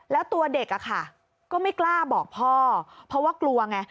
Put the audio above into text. แล้วตัวเด็กอะค่ะก็ไม่กล้าบอกพ่อเพราะว่ากลัวไง